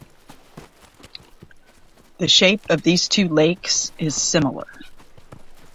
The shape of these two lakes is similar.